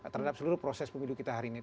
terhadap seluruh proses pemilu kita hari ini